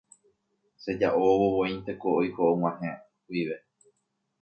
cheja'ovovoínteko oiko ag̃uahẽ guive.